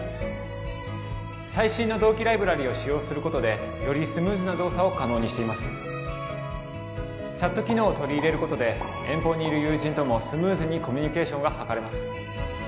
最新の同期ライブラリを使用することでよりスムーズな動作を可能にしていますチャット機能を取り入れることで遠方にいる友人ともスムーズにコミュニケーションが図れます